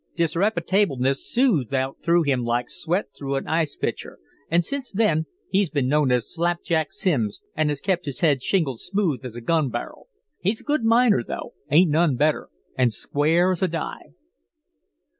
Disreppitableness oozed out through him like sweat through an ice pitcher, an' since then he's been known as Slapjack Simms, an' has kept his head shingled smooth as a gun bar'l. He's a good miner, though; ain't none better an' square as a die."